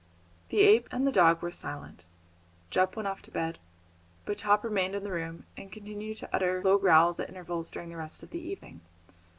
The ape and the dog were silent. Jup went off to bed, but Top remained in the room, and continued to utter low growls at intervals during the rest of the evening.